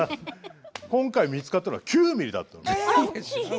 今回、見つかったのは９ミリだったんです。